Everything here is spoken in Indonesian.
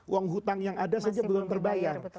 uang hutang yang ada saja belum terbayar